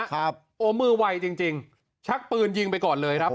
ครับโอมือวัยจริงจริงชักปืนยิงไปก่อนเลยครับโอ้โห